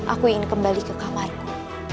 aku ingin kembali ke kamarku